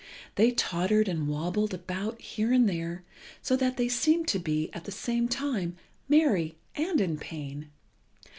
They tottered and wobbled about here and there, so that they seemed to be, at the same time, merry and in pain.